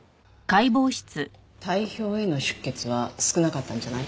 体表への出血は少なかったんじゃない？